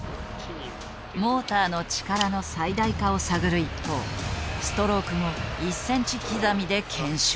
モーターの力の最大化を探る一方ストロークも１センチ刻みで検証。